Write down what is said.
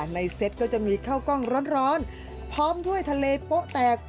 เซ็ตก็จะมีข้าวกล้องร้อนพร้อมด้วยทะเลโป๊ะแตก